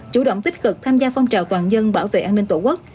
chủ động tích cực tham gia phong trào toàn dân bảo vệ an ninh tổ quốc